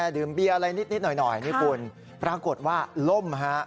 ดื่มเบียร์อะไรนิดหน่อยนี่คุณปรากฏว่าล่มฮะ